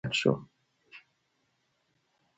اسامه د پیریانو جامې واغوستې او ورک شو.